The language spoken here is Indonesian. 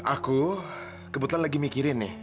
aku kebetulan lagi mikirin nih